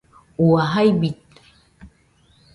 Ua, jai bite